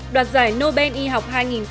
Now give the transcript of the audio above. đoạt giải nobel y học hai nghìn một mươi bảy